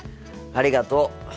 ありがとう。